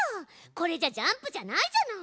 これじゃジャンプじゃないじゃない。